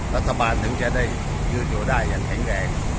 รัฐบาลถึงจะได้ยืนอยู่ได้อย่างแข็งแรง